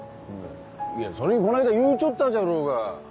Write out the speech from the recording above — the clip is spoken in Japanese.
いやそれにこないだ言うちょったじゃろうが。